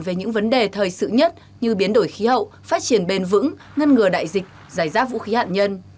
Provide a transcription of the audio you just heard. về những vấn đề thời sự nhất như biến đổi khí hậu phát triển bền vững ngân ngừa đại dịch giải giáp vũ khí hạn nhân